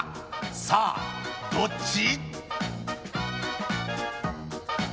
さあ、どっち？